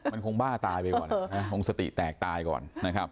มันคงบ้าตายไปก่อนนะคงสติแตกตายก่อนนะครับ